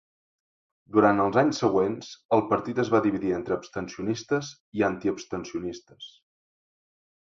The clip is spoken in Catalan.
Durant els anys següents, el partit es va dividir entre abstencionistes i antiabstencionistes.